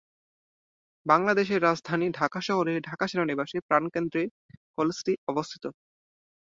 বাংলাদেশের রাজধানী ঢাকা শহরের ঢাকা সেনানিবাসের প্রাণকেন্দ্রে কলেজটি অবস্থিত।